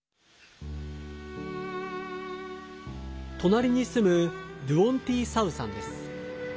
隣に住むドゥオン・ティ・サウさんです。